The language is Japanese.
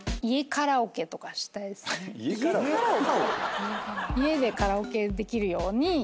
家カラオケ？家でカラオケできるように。